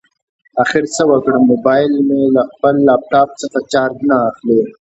اخر څه وکړم؟ مبایل مې له خپل لاپټاپ څخه چارج نه اخلي